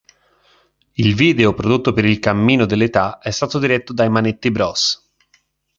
Il video prodotto per "Il cammino dell'età" è stato diretto dai Manetti Bros.